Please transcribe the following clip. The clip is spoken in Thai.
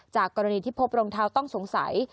จากกรณีที่พบรองเท้าต้องสงสัย